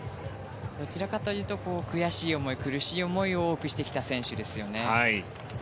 どちらかというと悔しい思い、苦しい思いを多くしてきた選手ですよね。